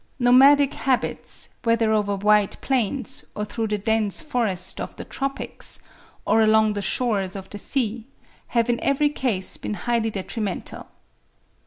Nomadic habits, whether over wide plains, or through the dense forests of the tropics, or along the shores of the sea, have in every case been highly detrimental.